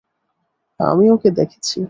আমি ওকে দেখেছি!